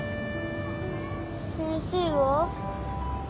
先生は？